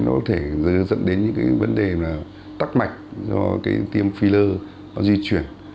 nó có thể dẫn đến những cái vấn đề là tắc mạch do cái tiêm filler nó di chuyển